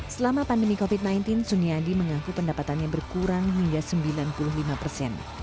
selama pandemi covid sembilan belas suni adi mengaku pendapatannya berkurang hingga sembilan puluh lima persen